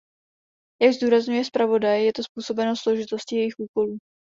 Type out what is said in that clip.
Jak zdůrazňuje zpravodaj, je to způsobeno složitostí jejich úkolů.